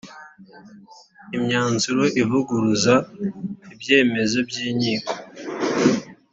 imyanzuro ivuguruza ibyemezo by’inkiko